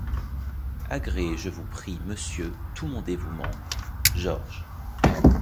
Agréez, je vous prie, monsieur, tout mon dévouement : George. .